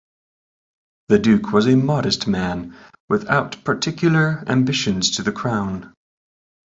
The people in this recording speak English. The duke was a modest man without particular ambitions to the crown.